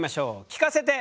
聞かせて！